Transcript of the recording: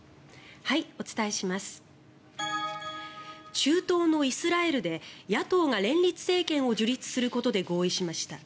中東のイスラエルで野党が連立政権を樹立することで合意しました。